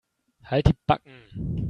Halt die Backen.